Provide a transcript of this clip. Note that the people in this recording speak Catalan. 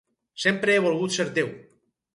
Sempre he volgut ser Déu.